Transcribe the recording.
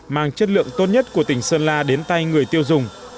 mang chất lượng tốt nhất của tỉnh sơn la đến tay người tiêu dùng